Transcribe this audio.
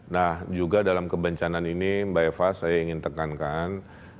nah juga dalam kebencanaan ini mbak eva saya ingin tekankan